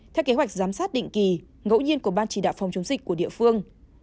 theo kế hoạch giám sát định kỳ ngẫu nhiên của ban chỉ đạo phòng chống dịch của địa phương